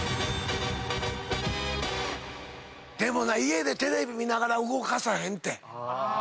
でもな家でテレビ見ながら動かさへんて。